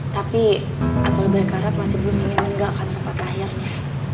tapi atul baik baik masih belum ingin meninggalkan tempat lahirnya